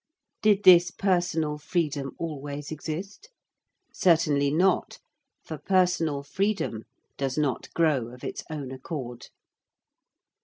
Did this personal freedom always exist? Certainly not, for personal freedom does not grow of its own accord.